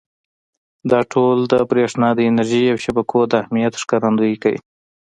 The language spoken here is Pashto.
دا ټول د برېښنا د انرژۍ او شبکو د اهمیت ښکارندويي کوي.